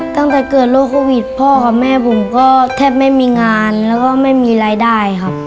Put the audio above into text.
ตั้งแต่เกิดโรคโควิดพ่อกับแม่ผมก็แทบไม่มีงานแล้วก็ไม่มีรายได้ครับ